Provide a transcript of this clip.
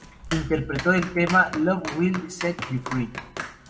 Interpretó el tema "Love will set you free".